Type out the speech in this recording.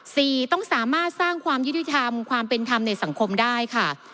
สี่ต้องสามารถสร้างความยุติธรรมความเป็นธรรมในสังคมได้ค่ะ